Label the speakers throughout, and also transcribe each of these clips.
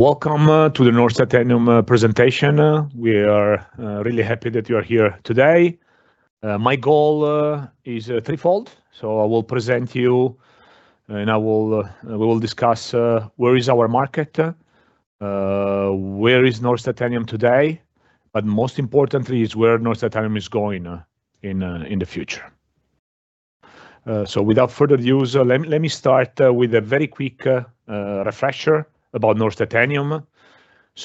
Speaker 1: Welcome to the Norsk Titanium presentation. We are really happy that you are here today. My goal is threefold. I will present you and we will discuss where is our market, where is Norsk Titanium today, but most importantly is where Norsk Titanium is going in the future. Without further ado, so let me start with a very quick refresher about Norsk Titanium.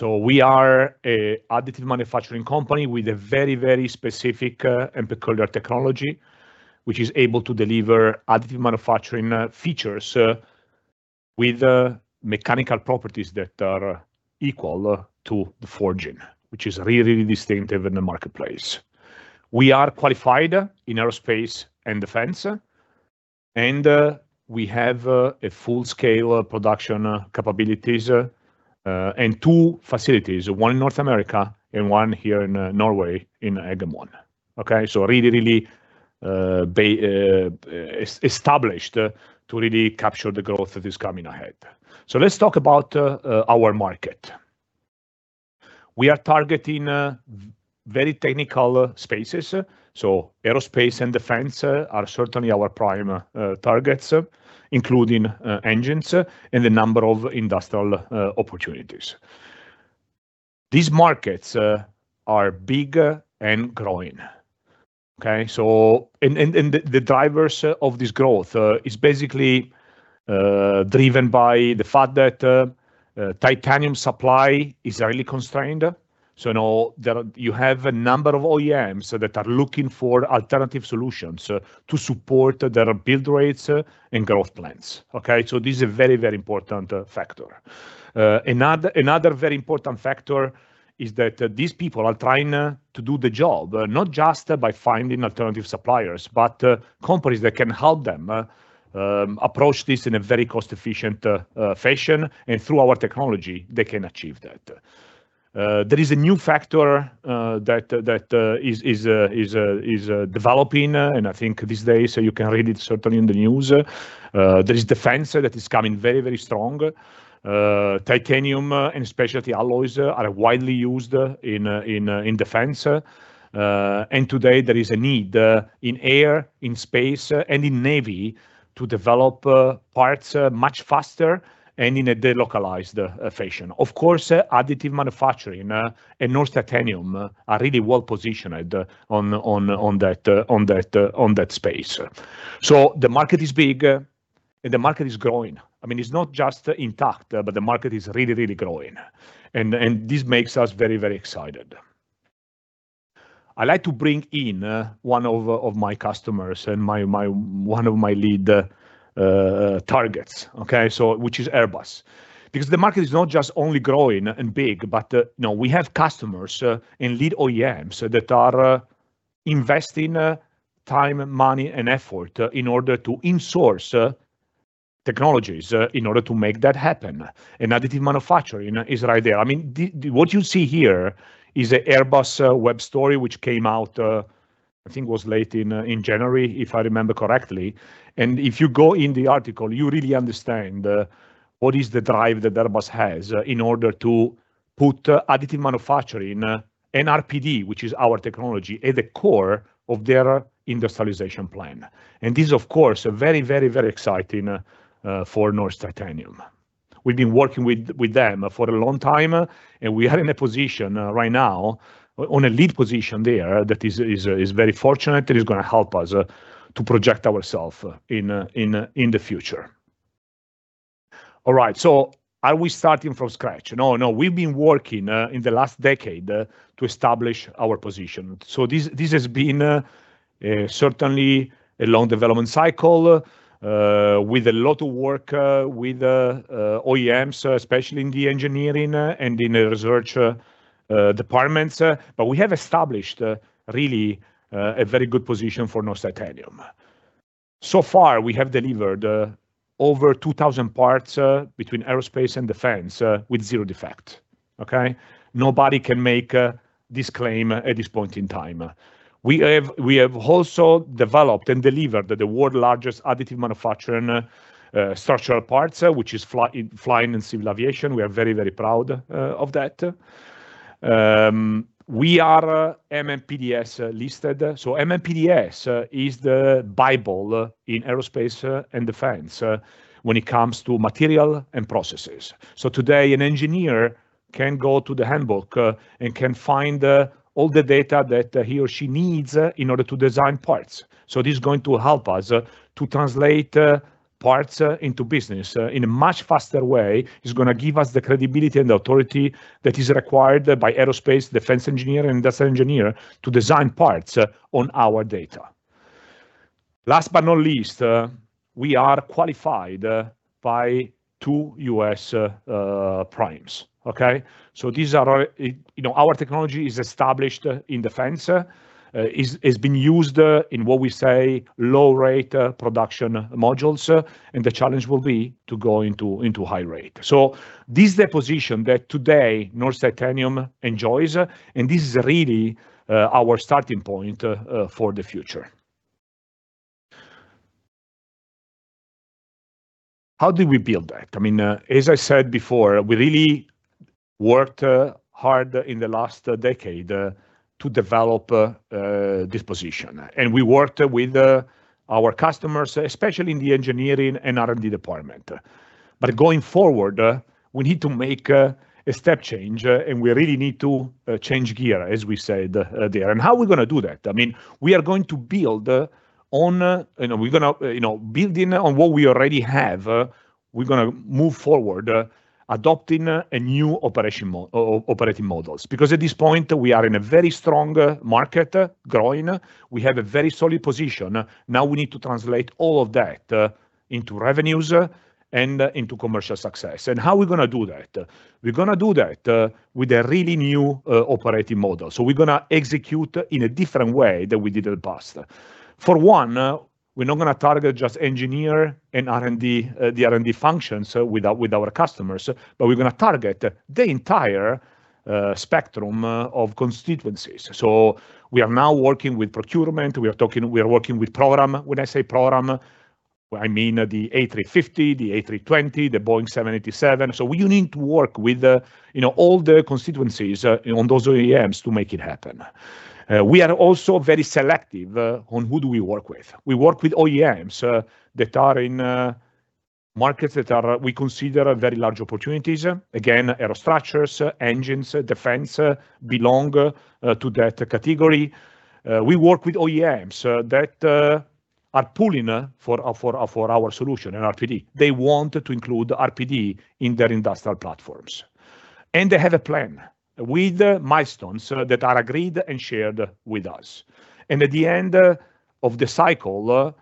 Speaker 1: We are a additive manufacturing company with a very, very specific and peculiar technology, which is able to deliver additive manufacturing features with mechanical properties that are equal to the forging, which is really distinctive in the marketplace. We are qualified in aerospace and defense, and we have a full-scale production capabilities and two facilities, one in North America and one here in Norway in Eggemoen. Okay. Really established to really capture the growth that is coming ahead. Let's talk about our market. We are targeting very technical spaces. Aerospace and defense are certainly our prime targets, including engines and a number of industrial opportunities. These markets are big and growing. Okay. And the drivers of this growth is basically driven by the fact that titanium supply is really constrained. Now you have a number of OEMs that are looking for alternative solutions to support their build rates and growth plans. Okay. This is a very, very important factor. Another very important factor is that these people are trying to do the job, not just by finding alternative suppliers, but companies that can help them approach this in a very cost-efficient fashion. Through our technology, they can achieve that. There is a new factor that is developing, and I think these days you can read it certainly in the news. There is defense that is coming very, very strong. Titanium and specialty alloys are widely used in defense. Today there is a need in air, in space, and in Navy to develop parts much faster and in a delocalized fashion. Of course, additive manufacturing and Norsk Titanium are really well positioned on that space. The market is big and the market is growing. I mean, it's not just intact, but the market is really, really growing. This makes us very, very excited. I like to bring in one of my customers and my one of my lead targets. Okay? Which is Airbus. The market is not just only growing and big, but, you know, we have customers and lead OEMs that are investing time, money, and effort in order to insource technologies in order to make that happen. Additive manufacturing is right there. I mean, what you see here is a Airbus web story which came out, I think it was late in January, if I remember correctly. If you go in the article, you really understand what is the drive that Airbus has in order to put additive manufacturing, RPD, which is our technology, at the core of their industrialization plan. This is, of course, very, very, very exciting for Norsk Titanium. We've been working with them for a long time, and we are in a position right now on a lead position there that is very fortunate. It is gonna help us to project ourself in in the future. All right. Are we starting from scratch? No. We've been working in the last decade to establish our position. This has been certainly a long development cycle with a lot of work with OEMs, especially in the engineering and in the research departments. We have established really a very good position for Norsk Titanium. Far we have delivered over 2,000 parts between aerospace and defense with zero defect. Okay? Nobody can make this claim at this point in time. We have also developed and delivered the world's largest additive manufacturing structural parts, which is flying in civil aviation. We are very, very proud of that. We are MMPDS listed. MMPDS is the bible in aerospace and defense when it comes to material and processes. Today, an engineer can go to the handbook and can find all the data that he or she needs in order to design parts. This is going to help us to translate parts into business in a much faster way. It's gonna give us the credibility and authority that is required by aerospace, defense engineer, and industrial engineer to design parts on our data. Last but not least, we are qualified by two U.S. primes. Okay? You know, our technology is established in defense, is being used in what we say low-rate production modules, and the challenge will be to go into high rate. This is the position that today Norsk Titanium enjoys, and this is really our starting point for the future. How did we build that? I mean, as I said before, we really worked hard in the last decade to develop this position. We worked with our customers, especially in the engineering and R&D department. Going forward, we need to make a step change, and we really need to change gear, as we said there. How are we gonna do that? I mean, we are going to build on... You know, we're gonna, you know, building on what we already have, we're gonna move forward, adopting a new operation operating models. At this point, we are in a very strong market, growing. We have a very solid position. Now we need to translate all of that into revenues and into commercial success. How are we gonna do that? We're gonna do that with a really new operating model. We're gonna execute in a different way than we did in the past. For one, we're not gonna target just engineer and R&D, the R&D function, with our, with our customers, but we're gonna target the entire spectrum of constituencies. We are now working with procurement. We are working with program. When I say program, I mean the A350, the A320, the Boeing 787. We need to work with the, you know, all the constituencies on those OEMs to make it happen. We are also very selective on who do we work with. We work with OEMs that are in markets that we consider are very large opportunities. Again, aerostructures, engines, defense belong to that category. We work with OEMs that are pulling for our solution in RPD. They want to include RPD in their industrial platforms. They have a plan with milestones that are agreed and shared with us. At the end of the cycle,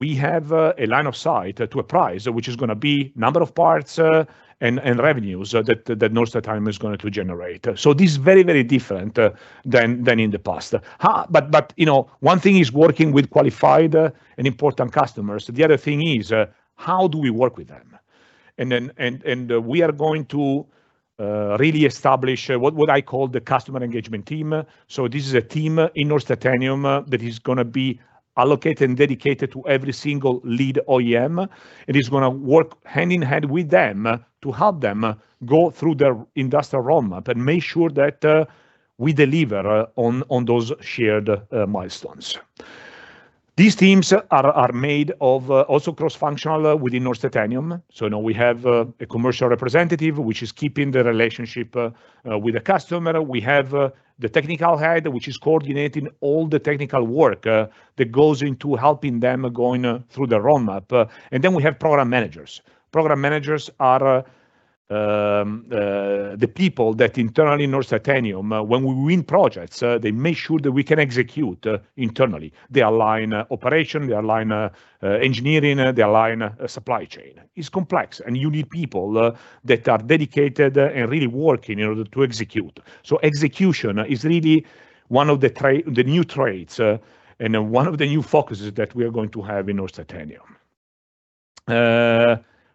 Speaker 1: we have a line of sight to a price, which is gonna be number of parts, and revenues that Norsk Titanium is going to generate. This is very, very different than in the past. You know, one thing is working with qualified and important customers. The other thing is, how do we work with them? We are going to really establish what would I call the customer engagement team. This is a team in Norsk Titanium that is gonna be allocated and dedicated to every single lead OEM and is gonna work hand-in-hand with them to help them go through their industrial roadmap and make sure that we deliver on those shared milestones. These teams are made of also cross-functional within Norsk Titanium. Now we have a commercial representative which is keeping the relationship with the customer. We have the technical head, which is coordinating all the technical work that goes into helping them going through the roadmap. Then we have program managers. Program managers are the people that internally Norsk Titanium, when we win projects, they make sure that we can execute internally. They align operation, they align engineering, they align supply chain. It's complex, and you need people that are dedicated and really working in order to execute. Execution is really one of the new traits and one of the new focuses that we are going to have in Norsk Titanium.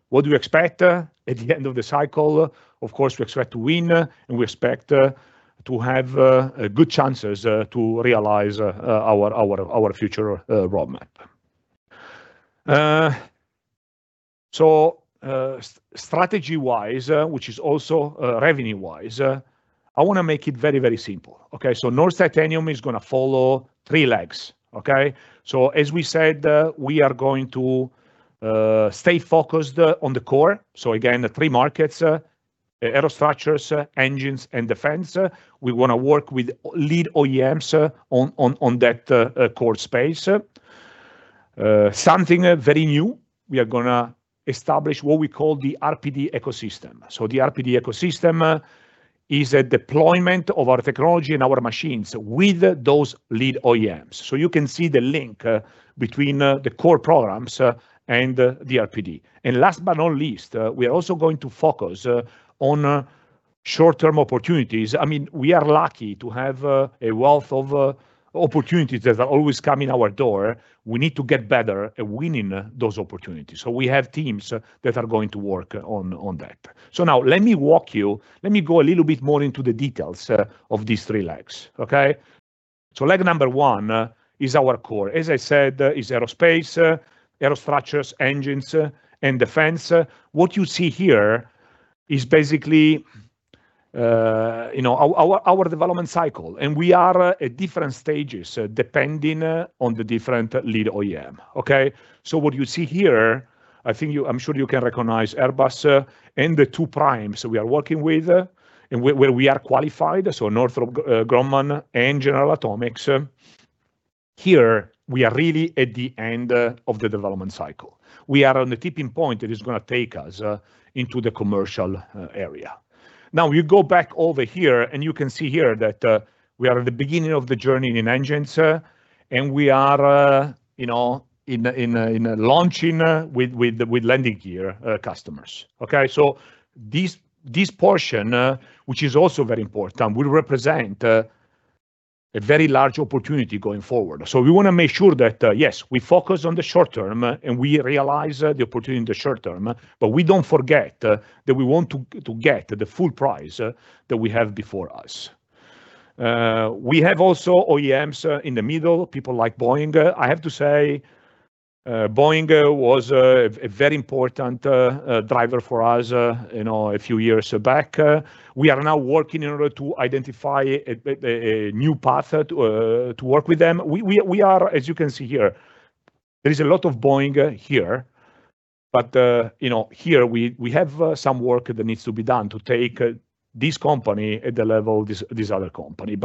Speaker 1: What do we expect at the end of the cycle? Of course, we expect to win, and we expect to have good chances to realize our future roadmap. Strategy-wise, which is also revenue-wise, I wanna make it very, very simple, okay? Norsk Titanium is gonna follow three legs, okay? As we said, we are going to stay focused on the core. Again, the three markets, aerostructures, engines, and defense. We wanna work with lead OEMs on that core space. Something very new, we are gonna establish what we call the RPD ecosystem. The RPD ecosystem is a deployment of our technology and our machines with those lead OEMs. You can see the link between the core programs and the RPD. Last but not least, we are also going to focus on short-term opportunities. I mean, we are lucky to have a wealth of opportunities that are always coming our door. We need to get better at winning those opportunities. We have teams that are going to work on that. Now let me go a little bit more into the details of these three legs, okay? Leg number one is our core. As I said, it's aerospace, aerostructures, engines, and defense. What you see here is basically, you know, our development cycle. We are at different stages depending on the different lead OEM, okay. What you see here, I'm sure you can recognize Airbus and the two primes we are working with and where we are qualified, so Northrop Grumman and General Atomics. Here we are really at the end of the development cycle. We are on the tipping point that is gonna take us into the commercial area. You go back over here, and you can see here that we are at the beginning of the journey in engines, and we are, you know, in launching with landing gear customers, okay. This portion, which is also very important, will represent a very large opportunity going forward. We wanna make sure that, yes, we focus on the short term, and we realize the opportunity in the short term, but we don't forget that we want to get the full price that we have before us. We have also OEMs in the middle, people like Boeing. I have to say, Boeing was a very important driver for us, you know, a few years back. We are now working in order to identify a new path to work with them. As you can see here, there is a lot of Boeing here, but, you know, here we have some work that needs to be done to take this company at the level this other company.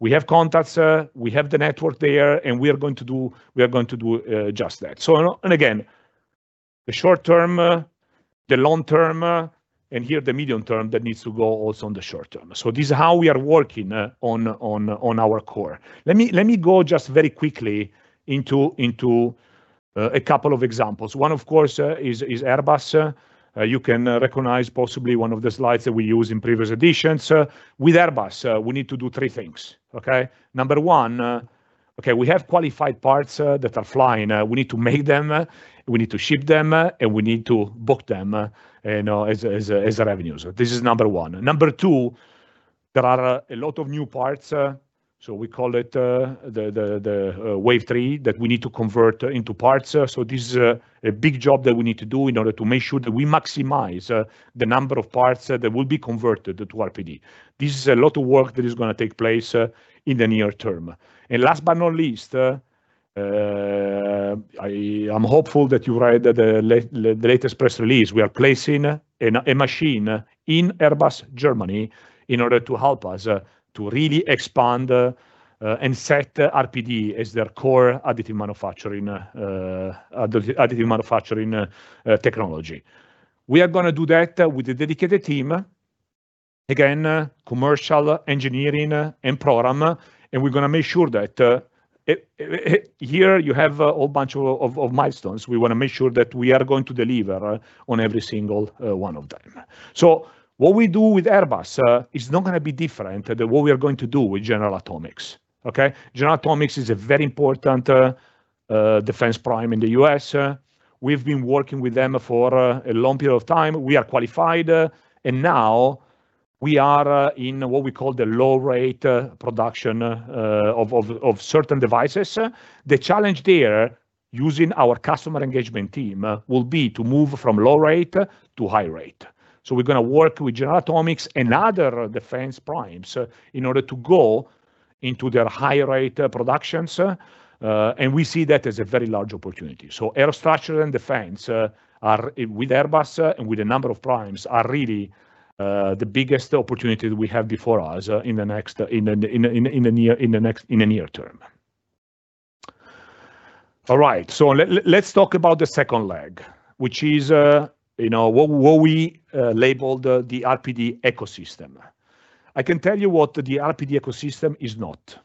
Speaker 1: We have contacts, we have the network there, and we are going to do just that. And again, the short term, the long term, and here the medium term that needs to go also on the short term. This is how we are working on our core. Let me go just very quickly into a couple of examples. One, of course, is Airbus. You can recognize possibly one of the slides that we used in previous editions. With Airbus, we need to do three things. Okay? Number one, okay, we have qualified parts that are flying. We need to make them, we need to ship them, and we need to book them, you know, as revenues. This is number one. Number two, there are a lot of new parts, so we call it the Wave Three that we need to convert into parts. This is a big job that we need to do in order to make sure that we maximize the number of parts that will be converted to RPD. This is a lot of work that is gonna take place in the near term. Last but not least, I am hopeful that you read the latest press release. We are placing a machine in Airbus Germany in order to help us to really expand and set RPD as their core additive manufacturing technology. We are gonna do that with a dedicated team. Again, commercial engineering and program. We're gonna make sure that here you have a whole bunch of milestones. We wanna make sure that we are going to deliver on every single one of them. What we do with Airbus is not gonna be different than what we are going to do with General Atomics. Okay? General Atomics is a very important defense prime in the U.S. We've been working with them for a long period of time. We are qualified, and now we are in what we call the low-rate production of certain devices. The challenge there using our customer engagement team will be to move from low rate to high rate. We're gonna work with General Atomics and other defense primes in order to go into their higher rate productions. We see that as a very large opportunity. Aerostructure and defense, are with Airbus, and with a number of primes are really, the biggest opportunity that we have before us in the near term. All right. Let's talk about the second leg, which is, you know, what we label the RPD ecosystem. I can tell you what the RPD ecosystem is not.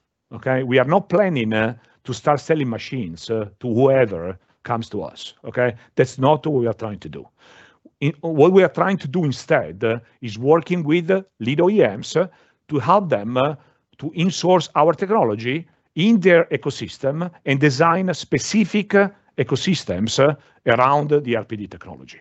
Speaker 1: We are not planning to start selling machines to whoever comes to us. That's not what we are trying to do. We are trying to do instead is working with lead OEMs to help them to insource our technology in their ecosystem and design specific ecosystems around the RPD technology.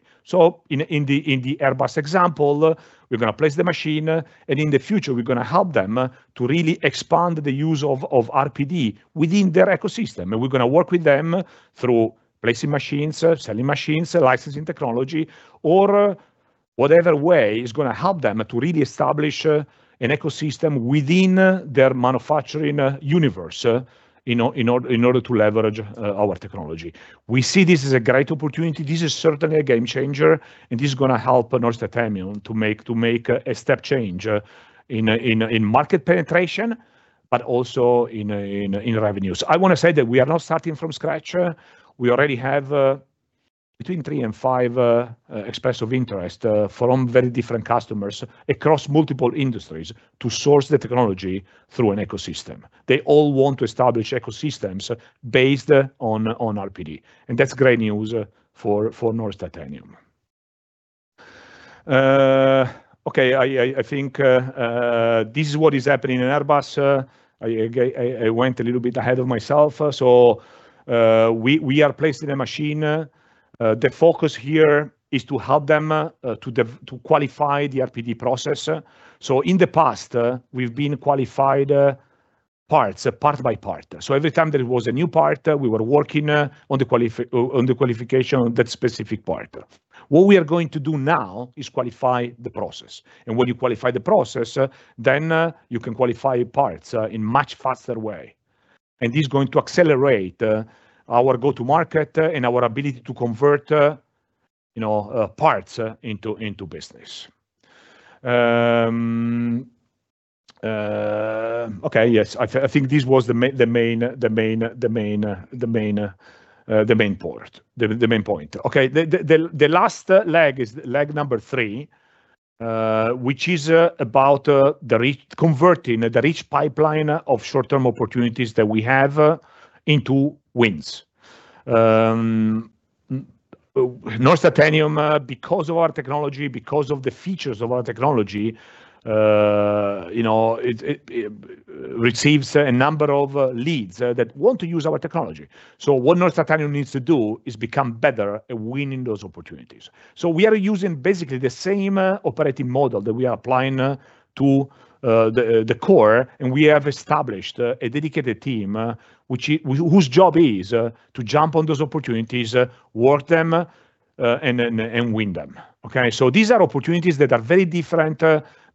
Speaker 1: In the Airbus example, we're gonna place the machine, and in the future, we're gonna help them to really expand the use of RPD within their ecosystem. We're gonna work with them through placing machines, selling machines, licensing technology or whatever way is gonna help them to really establish an ecosystem within their manufacturing universe in order to leverage our technology. We see this as a great opportunity. This is certainly a game changer, this is gonna help Norsk Titanium to make a step change in market penetration, but also in revenues. I wanna say that we are not starting from scratch. We already have between 3 and 5 expressions of interest from very different customers across multiple industries to source the technology through an ecosystem. They all want to establish ecosystems based on RPD, and that's great news for Norsk Titanium. Okay. I think this is what is happening in Airbus. I went a little bit ahead of myself. We are placing a machine. The focus here is to help them to qualify the RPD process. In the past, we've been qualified parts, part by part. Every time there was a new part, we were working on the qualification of that specific part. What we are going to do now is qualify the process. When you qualify the process, you can qualify parts in much faster way. This is going to accelerate our go-to-market and our ability to convert, you know, parts into business. Okay. Yes. I think this was the main point. Okay. The last leg is leg number three, which is about converting the rich pipeline of short-term opportunities that we have into wins. Norsk Titanium, because of our technology, because of the features of our technology, you know, it receives a number of leads that want to use our technology. What Norsk Titanium needs to do is become better at winning those opportunities. We are using basically the same operating model that we are applying to the core, and we have established a dedicated team whose job is to jump on those opportunities, work them, and win them. Okay? These are opportunities that are very different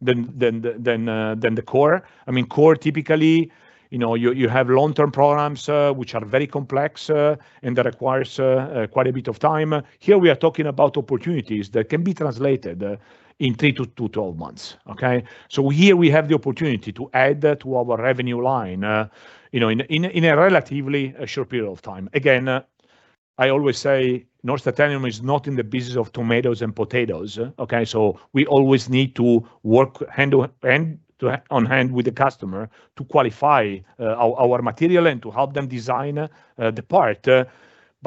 Speaker 1: than the core. I mean, core typically, you know, you have long-term programs which are very complex and that requires quite a bit of time. Here we are talking about opportunities that can be translated in 3 to 12 months. Okay? Here we have the opportunity to add that to our revenue line, you know, in a relatively short period of time. Again, I always say Norsk Titanium is not in the business of tomatoes and potatoes, okay? We always need to work on hand with the customer to qualify our material and to help them design the part.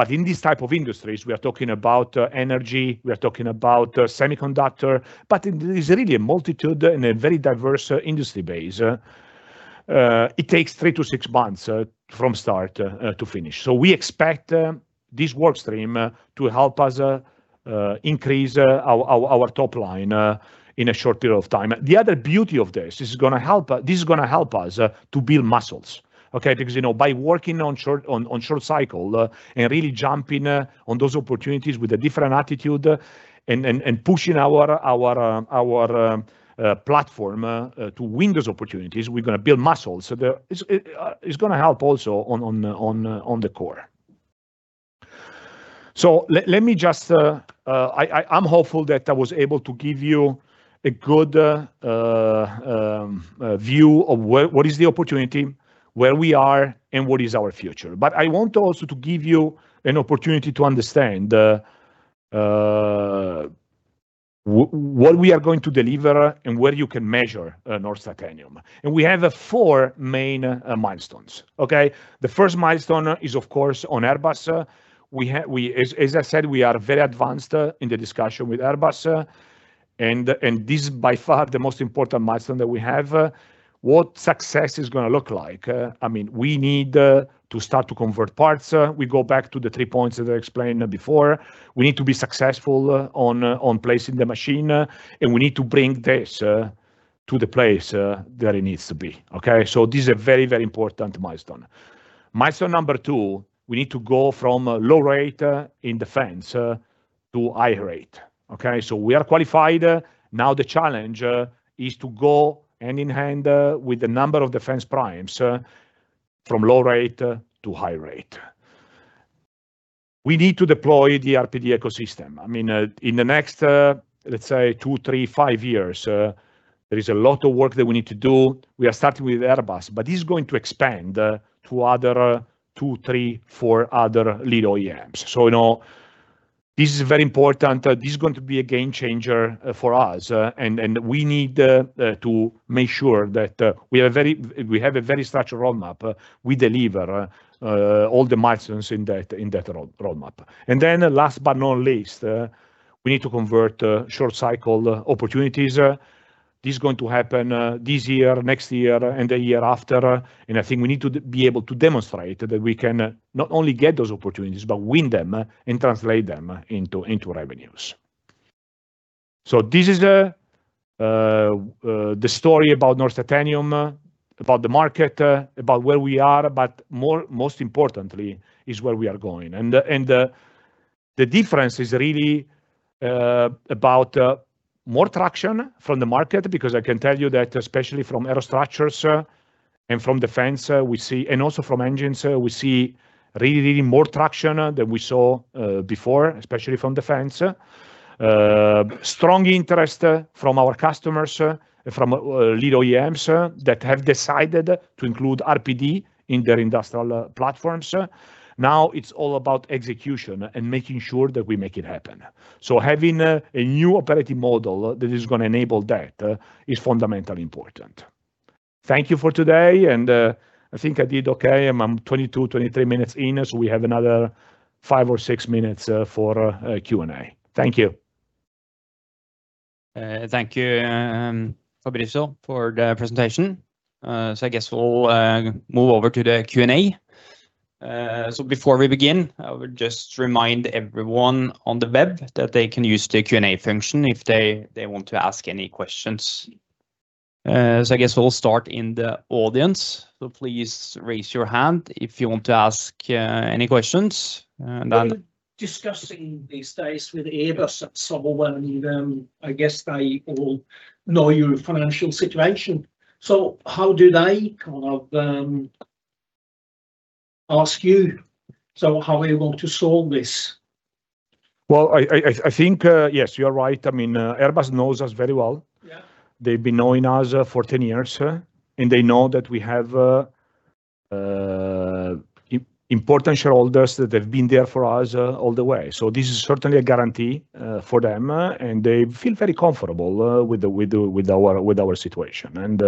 Speaker 1: In these type of industries, we are talking about energy, we are talking about semiconductor, but it is really a multitude and a very diverse industry base. It takes three to six months from start to finish. We expect this work stream to help us increase our top line in a short period of time. The other beauty of this is gonna help us to build muscles, okay? Because, you know, by working on short cycle and really jumping on those opportunities with a different attitude and pushing our platform to win those opportunities, we're gonna build muscles. It's gonna help also on the core. Let me just. I'm hopeful that I was able to give you a good view of what is the opportunity, where we are and what is our future. I want also to give you an opportunity to understand what we are going to deliver and where you can measure Norsk Titanium. We have four main milestones. Okay? The first milestone is, of course, on Airbus. We... As I said, we are very advanced in the discussion with Airbus, and this is by far the most important milestone that we have. What success is gonna look like? I mean, we need to start to convert parts. We go back to the three points that I explained before. We need to be successful on placing the machine, and we need to bring this to the place that it needs to be. Okay? This is a very, very important milestone. Milestone number two, we need to go from low rate in defense to high rate. Okay? We are qualified. Now the challenge is to go hand in hand with the number of defense primes from low rate to high rate. We need to deploy the RPD ecosystem. I mean, in the next, let's say two, three, five years, there is a lot of work that we need to do. We are starting with Airbus, but this is going to expand to other two, three, four other little OEMs. You know, this is very important. This is going to be a game changer for us, and we need to make sure that we have a very structured roadmap. We deliver all the milestones in that roadmap. Last but not least, we need to convert short cycle opportunities. This is going to happen this year, next year and the year after. I think we need to be able to demonstrate that we can not only get those opportunities, but win them and translate them into revenues. This is the story about Norsk Titanium, about the market, about where we are, but most importantly is where we are going. The difference is really about more traction from the market, because I can tell you that especially from aerostructures and from defense, we see. Also from engines, we see really more traction than we saw before, especially from defense. Strong interest from our customers, from little OEMs that have decided to include RPD in their industrial platforms. Now it's all about execution and making sure that we make it happen. Having a new operating model that is gonna enable that is fundamentally important. Thank you for today, and I think I did okay. I'm 22, 23 minutes in, so we have another five or six minutes for Q&A. Thank you.
Speaker 2: Thank you, Fabrizio, for the presentation. I guess we'll move over to the Q&A. Before we begin, I would just remind everyone on the web that they can use the Q&A function if they want to ask any questions. I guess we'll start in the audience. Please raise your hand if you want to ask any questions.
Speaker 3: You're discussing these days with Airbus and Safran. I guess they all know your financial situation. How do they kind of ask you, "How are you going to solve this?
Speaker 1: Well, I think, yes, you are right. I mean, Airbus knows us very well.
Speaker 3: Yeah.
Speaker 1: They've been knowing us for 10 years, and they know that we have important shareholders that have been there for us, all the way. This is certainly a guarantee, for them, and they feel very comfortable, with our situation.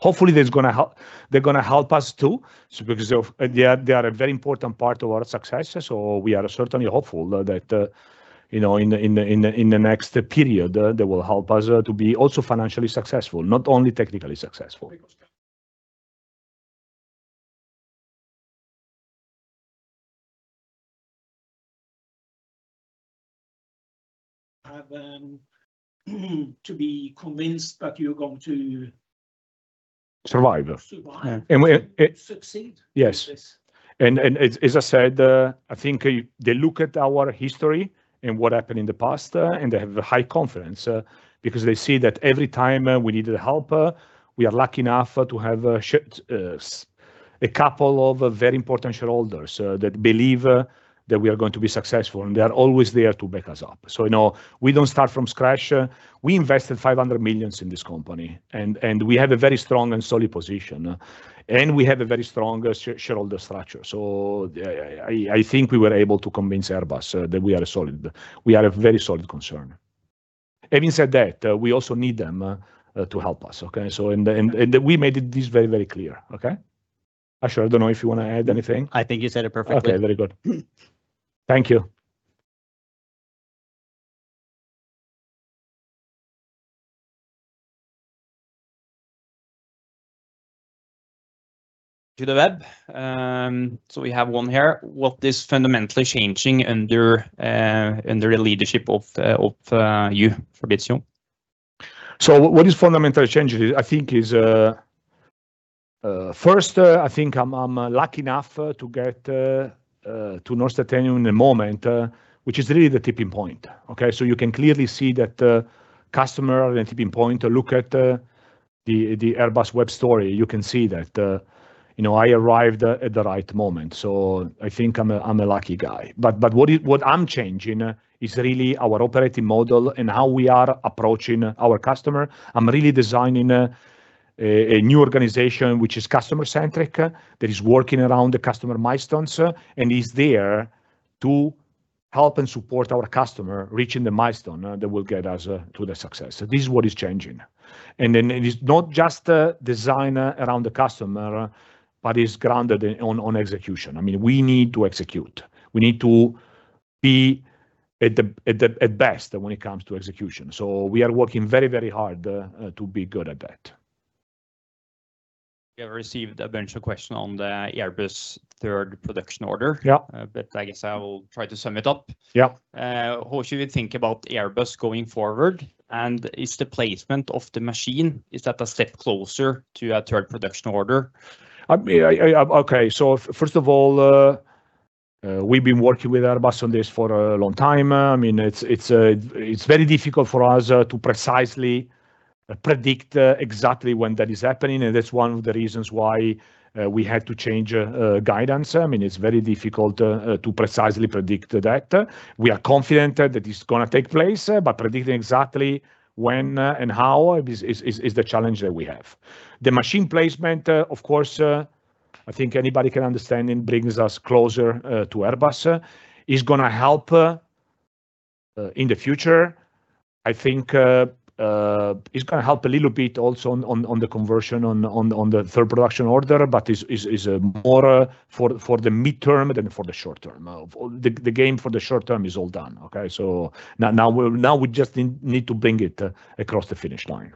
Speaker 1: Hopefully, they're gonna help us too because of they are a very important part of our success. We are certainly hopeful that, you know, in the next period, they will help us, to be also financially successful, not only technically successful.
Speaker 3: Have to be convinced that you're going to...
Speaker 1: Survive.
Speaker 3: Survive.
Speaker 1: we... It-
Speaker 3: Succeed.
Speaker 1: Yes.
Speaker 3: Yes.
Speaker 1: As I said, I think they look at our history and what happened in the past, and they have high confidence, because they see that every time we needed help, we are lucky enough to have shaped a couple of very important shareholders that believe that we are going to be successful, and they are always there to back us up. You know, we don't start from scratch. We invested $500 million in this company, we have a very strong and solid position, and we have a very strong shareholder structure. Yeah, I think we were able to convince Airbus that we are solid. We are a very solid concern. Having said that, we also need them to help us, okay? We made this very, very clear, okay? Ashar, I don't know if you wanna add anything.
Speaker 4: I think you said it perfectly.
Speaker 1: Okay. Very good. Thank you.
Speaker 2: To the web. We have one here. What is fundamentally changing under the leadership of you, Fabrizio?
Speaker 1: What is fundamentally changing is I think is first, I think I'm lucky enough to get to Norsk Titanium in the moment, which is really the tipping point, okay. You can clearly see that the customer and tipping point look at the Airbus web story. You can see that, you know, I arrived at the right moment. I think I'm a lucky guy. What I'm changing is really our operating model and how we are approaching our customer. I'm really designing a new organization which is customer-centric, that is working around the customer milestones, and is there to help and support our customer reaching the milestone that will get us to the success. This is what is changing. It is not just designed around the customer, but is grounded on execution. I mean, we need to execute. We need to be at best when it comes to execution. We are working very, very hard, to be good at that.
Speaker 2: We have received a bunch of question on the Airbus third production order.
Speaker 1: Yeah.
Speaker 2: I guess I will try to sum it up.
Speaker 1: Yeah.
Speaker 2: How should we think about Airbus going forward? Is the placement of the machine, is that a step closer to a third production order?
Speaker 1: I mean, Okay. First of all, we've been working with Airbus on this for a long time. I mean, it's very difficult for us to precisely predict exactly when that is happening, and that's one of the reasons why we had to change guidance. I mean, it's very difficult to precisely predict that. We are confident that it's gonna take place, but predicting exactly when and how is the challenge that we have. The machine placement, of course, I think anybody can understand it brings us closer to Airbus. It's gonna help in the future. I think, it's gonna help a little bit also on the conversion on the third production order, but is more for the midterm than for the short term. The game for the short term is all done. Okay? Now we just need to bring it across the finish line.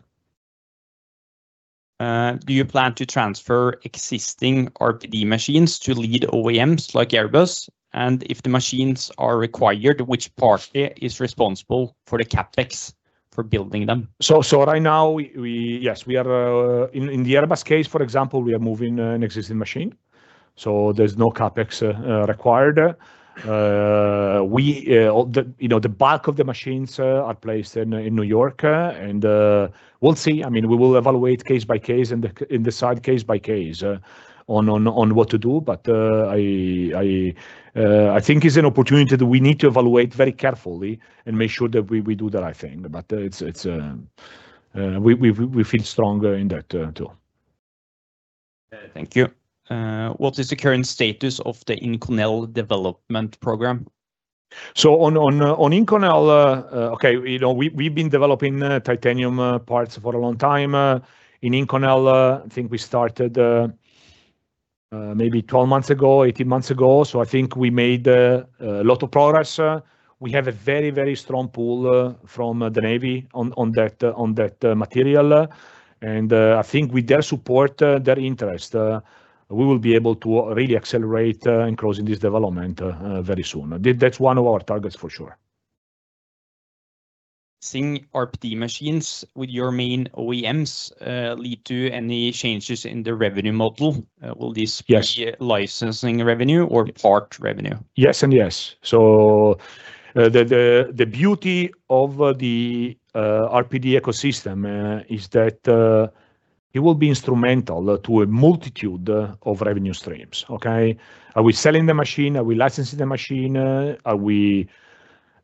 Speaker 2: Do you plan to transfer existing RPD machines to lead OEMs like Airbus? If the machines are required, which party is responsible for the CapEx for building them?
Speaker 1: Right now, we, yes, we are in the Airbus case, for example, we are moving an existing machine, so there's no CapEx required. We, you know, the back of the machines are placed in New York, we'll see. I mean, we will evaluate case by case and decide case by case on what to do. I think it's an opportunity that we need to evaluate very carefully and make sure that we do the right thing. It's, we feel stronger in that too.
Speaker 2: Thank you. What is the current status of the Inconel development program?
Speaker 1: On Inconel, you know, we've been developing titanium parts for a long time in Inconel. I think we started maybe 12 months ago, 18 months ago. I think we made a lot of progress. We have a very, very strong pull from the Navy on that material. I think with their support, their interest, we will be able to really accelerate in closing this development very soon. That's one of our targets for sure.
Speaker 2: Seeing RPD machines with your main OEMs, lead to any changes in the revenue model? Will this...
Speaker 1: Yes.
Speaker 2: be licensing revenue or part revenue?
Speaker 1: Yes and yes. The beauty of the RPD ecosystem is that it will be instrumental to a multitude of revenue streams. Okay? Are we selling the machine? Are we licensing the machine? Are we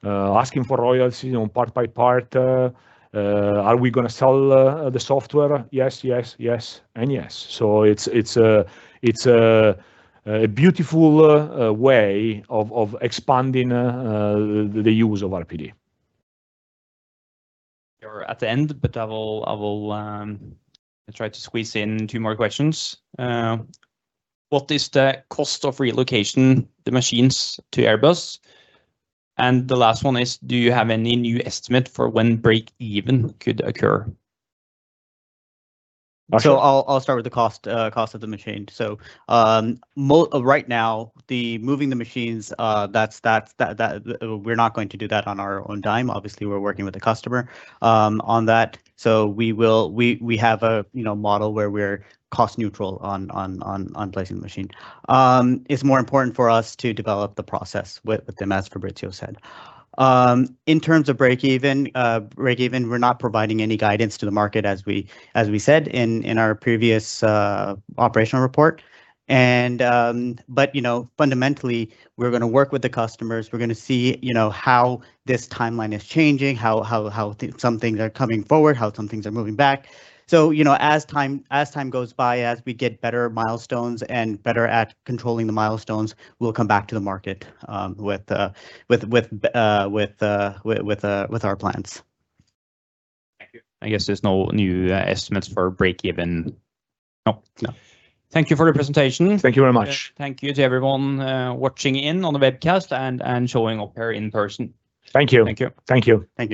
Speaker 1: asking for royalties, you know, part by part? Are we gonna sell the software? Yes, yes, and yes. It's a beautiful way of expanding the use of RPD.
Speaker 2: We are at the end, but I will try to squeeze in two more questions. What is the cost of relocation the machines to Airbus? The last one is, do you have any new estimate for when break even could occur? Ashar?
Speaker 4: I'll start with the cost of the machine. Right now, the moving the machines, we're not going to do that on our own dime. Obviously, we're working with the customer on that. We have a, you know, model where we're cost neutral on placing the machine. It's more important for us to develop the process with them, as Fabrizio said. In terms of break even, we're not providing any guidance to the market as we said in our previous operational report. Fundamentally, we're gonna work with the customers. We're gonna see, you know, how this timeline is changing, how some things are coming forward, how some things are moving back. You know, as time goes by, as we get better milestones and better at controlling the milestones, we'll come back to the market, with our plans.
Speaker 2: Thank you. I guess there's no new estimates for break even.
Speaker 4: No.
Speaker 2: No. Thank you for the presentation.
Speaker 1: Thank you very much.
Speaker 2: Thank you to everyone, watching in on the webcast and showing up here in person.
Speaker 1: Thank you.
Speaker 2: Thank you.
Speaker 1: Thank you.
Speaker 4: Thank you.